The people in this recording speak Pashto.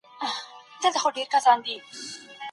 پر بنسټ يې د حکومت د جوړیدو توقع کیږي. د